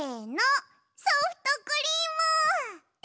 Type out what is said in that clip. ソフトクリーム！